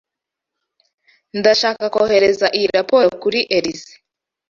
Ndashaka kohereza iyi raporo kuri Elyse.